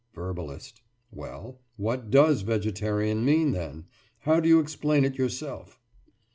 VERBALIST: Well, what does "vegetarian" mean, then? How do you explain it yourself?